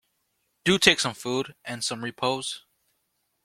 Do take some food, and some repose.